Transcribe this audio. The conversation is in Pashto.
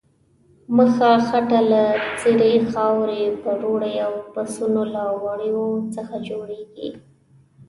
پخه خټه له سرې خاورې، پروړې او د پسونو له وړیو څخه جوړیږي.